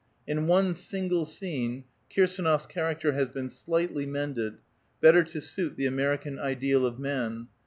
In one single scene Ku'sdnof's character has been slightly mended, better to suit the American ideal of man.